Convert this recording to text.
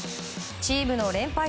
チームの連敗